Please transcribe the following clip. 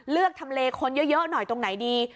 ทำเลคนเยอะหน่อยตรงไหนดี